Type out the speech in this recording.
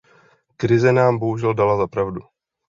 Krize nám bohužel dala za pravdu.